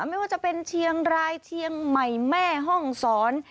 ไม่ว่าจะเป็นเชียงรายเชียงใหม่แม่ห้องศร